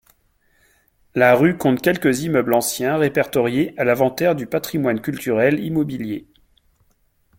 La rue compte quelques immeubles anciens répertoriés à l'inventaire du patrimoine culturel immobilier.